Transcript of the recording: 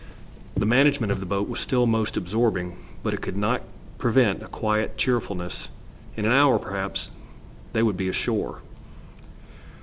The management of the boat was still most absorbing, but it could not prevent a quiet cheerfulness. In an hour, perhaps, they would be ashore.